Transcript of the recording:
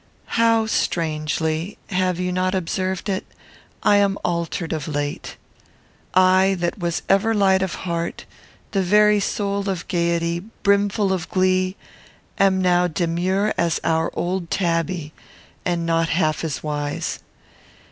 How strangely (have you not observed it?) I am altered of late! I, that was ever light of heart, the very soul of gayety, brimfull of glee, am now demure as our old tabby and not half as wise.